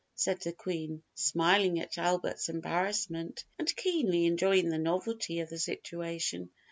said the Queen, smiling at Albert's embarrassment and keenly enjoying the novelty of the situation.